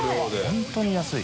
本当に安い。